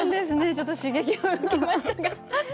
ちょっと刺激を受けましたが。